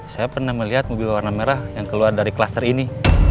saya pernah melihat mobil warna merah yang keluar dari klaster ini